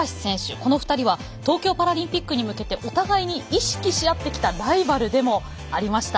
この２人は東京パラリンピックに向けて、お互いに意識し合ってきたライバルでもありました。